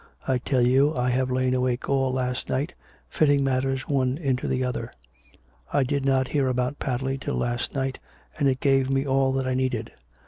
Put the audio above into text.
I tell you I have lain awake all last night, fitting matters one into the other. I did not hear about Padley till last night, and it gave me all that I needed.